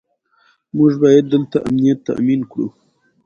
ازادي راډیو د عدالت په اړه د معارفې پروګرامونه چلولي.